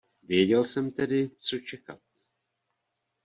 Věděl jsem tedy, co čekat.